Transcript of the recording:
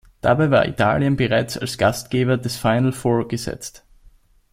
Dabei war Italien bereits als Gastgeber des Final Four gesetzt.